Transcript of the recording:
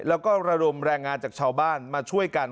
แล้วก็ระดมแรงงานจากชาวบ้านมาช่วยกัน